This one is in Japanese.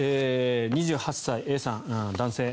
２８歳、Ａさん、男性。